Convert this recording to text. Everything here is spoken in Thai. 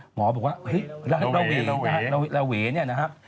หมอบอกว่าระเวนะครับ